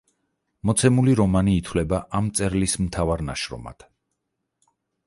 მოცემული რომანი ითვლება ამ მწერლის მთავარ ნაშრომად.